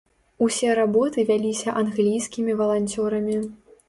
Усе работы вяліся англійскімі валанцёрамі.